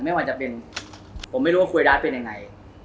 ไม่ว่าจะเป็นผมไม่รู้ว่าคุยดาร์ดเป็นยังไง